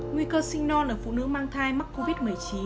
nguy cơ sinh non là phụ nữ mang thai mắc covid một mươi chín